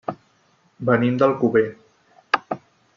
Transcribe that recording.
Venim d'Alcover.